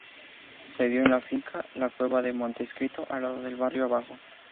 Se dio en la finca La Cueva de Montecristo, al lado del barrio Abajo.